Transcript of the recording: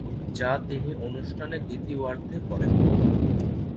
যা তিনি অনুষ্ঠানের দ্বিতীয়ার্ধে পরেন।